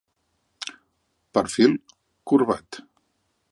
Perfil corbat.